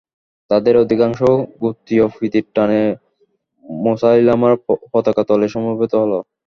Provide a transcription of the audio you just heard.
তাদের অধিকাংশ গোত্রীয় প্রীতির টানে মুসায়লামার পতাকাতলে সমবেত হল।